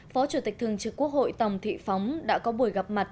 phó chủ tịch thường trực quốc hội tòng thị phóng đã có buổi gặp mặt